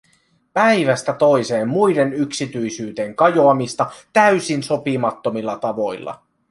Päivästä toiseen muiden yksityisyyteen kajoamista täysin sopimattomilla tavoilla.